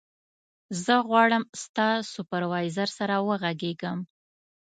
زه غواړم ستا سوپروایزر سره وغږېږم.